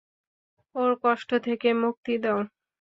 ওর কষ্ট থেকে মুক্তি দাউ!